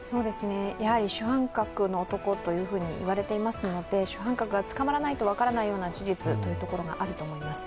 やはり主犯格の男といわれていますので主犯格が捕まらないと分からないような事実があると思います。